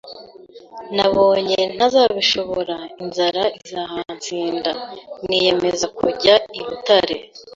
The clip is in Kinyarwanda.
Nabonye ntazabishobora inzara izahansinda, niyemeza kujya i Butare